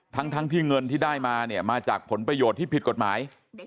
ทั้งที่เงินที่ได้มาเนี่ยมาจากผลประโยชน์ที่ผิดกฎหมาย